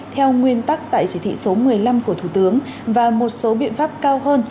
theo nguyên tắc tại chỉ thị số một mươi năm của thủ tướng và một số biện pháp cao hơn